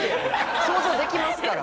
想像できますから。